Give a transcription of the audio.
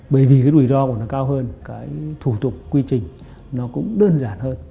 bởi vì cái rủi ro của nó cao hơn cái thủ tục quy trình nó cũng đơn giản hơn